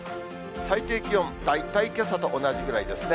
最低気温、大体けさと同じぐらいですね。